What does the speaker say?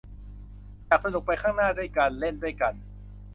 อยากสนุกไปข้างหน้าด้วยกัน เล่นด้วยกัน